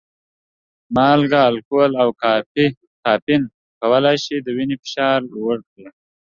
مالګه، الکول او کافین کولی شي د وینې فشار لوړ کړي.